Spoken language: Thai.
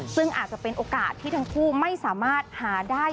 ซึ่งอาจจะเป็นโอกาสที่ทั้งคู่ไม่สามารถหาได้